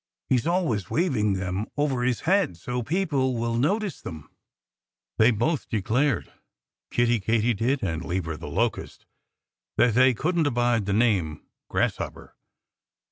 He's always waving them over his head, so people will notice them." They both declared Kiddie Katydid and Leaper the Locust that they couldn't abide the name "Grasshopper."